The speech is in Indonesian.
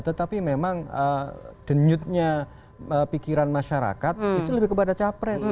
tetapi memang denyutnya pikiran masyarakat itu lebih kepada capres